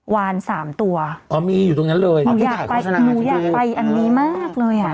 วานสามตัวอ๋อมีอยู่ตรงนั้นเลยหนูอยากไปหนูอยากไปอันนี้มากเลยอ่ะ